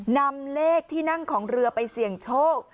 นำเลขที่นั่งของเรือไปเสี่ยงโชค